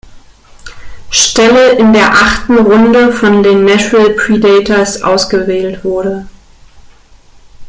Stelle in der achten Runde von den Nashville Predators ausgewählt wurde.